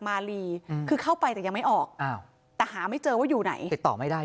มาลีคือเข้าไปแต่ยังไม่ออกอ้าวแต่หาไม่เจอว่าอยู่ไหนติดต่อไม่ได้